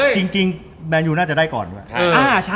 แมนยูน่าจะได้ก่อนด้วย